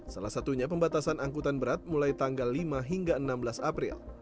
salah satunya pembatasan angkutan berat mulai tanggal lima hingga enam belas april